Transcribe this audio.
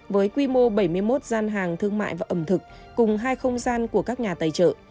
với quy mô bảy mươi một gian hàng thương mại và ẩm thực cùng hai không gian của các nhà tài trợ